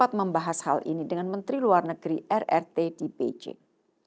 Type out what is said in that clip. rapat membahas hal ini dengan menteri luar negeri rrt di beijing